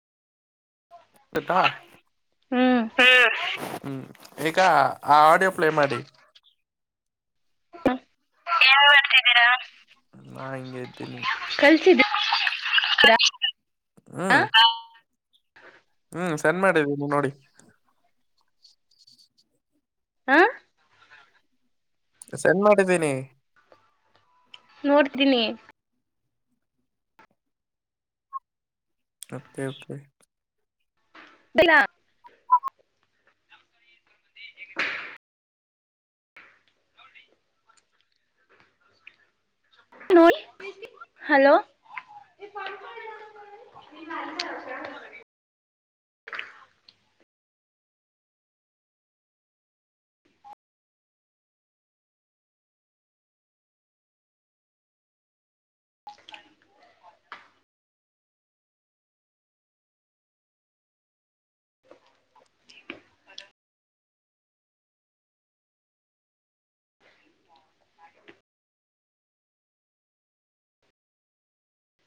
ಕಥಾ ಹ್ಮ್ ಹ್ಮ್ ಈಗ ಆ ಆಡಿಯೋ ಪ್ಲೇ ಮಾಡಿ ಹ [unintelligible] ನಾ ಹಿಂಗಗೆ ಇದ್ದೇನಿ ಕಳ್ಸಿದ್ದೀರಾ [unintelligible] ಹ್ಮ್ ಹ್ಮ್ ಸಣ ಮಾಡಿದೀ ನೀ ನೋಡಿ ಹಾ ಸ ಎನ್ ಮಾಡಿದ್ದೀನಿ ನೋಡ್ತೀನಿ ಮತೆ ಕೆ ಬಲ್ಲ [unintelligible] ನ ಹಲೋ